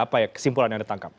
apa kesimpulan yang ditangkap